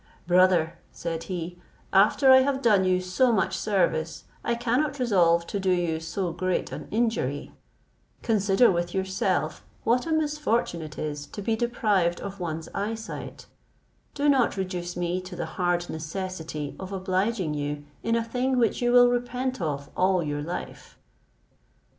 "Brother," said he, "after l have done you so much service, I cannot resolve to do you so great an injury; consider with yourself what a misfortune it is to be deprived of one's eye sight: do not reduce me to the hard necessity of obliging you in a thing which you will repent of all your life."